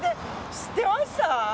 知ってました？